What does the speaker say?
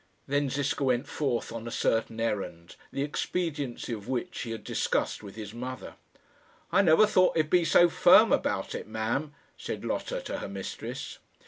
Then Ziska went forth on a certain errand, the expediency of which he had discussed with his mother. "I never thought he'd be so firm about it, ma'am," said Lotta to her mistress.